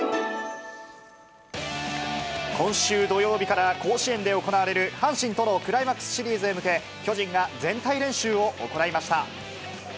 今週土曜日から甲子園で行われる阪神とのクライマックスシリーズへ向け、巨人が全体練習を行いました。